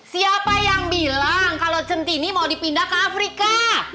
siapa yang bilang kalau centini mau dipindah ke afrika